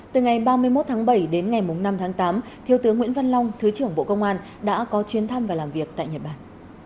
từ ngày ba mươi một tháng bảy đến ngày năm tháng tám thiếu tướng nguyễn văn long thứ trưởng bộ công an đã có chuyến thăm và làm việc tại nhật bản